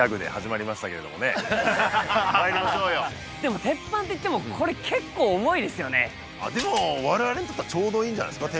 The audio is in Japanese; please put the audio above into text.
まいりましょうよでも鉄板っていってもこれ結構重いですよねでも我々にとってはちょうどいいんじゃないですか